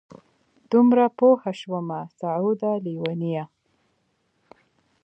دومره پوه شومه سعوده لېونیه!